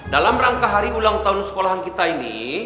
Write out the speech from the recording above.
dalam rangka hari ulang tahun sekolahan kita ini